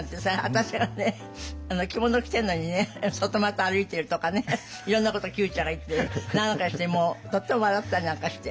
私が着物着てるのにね外股歩いてるとかねいろんなことを九ちゃんが言ってるなんかしてとっても笑ったりなんかして。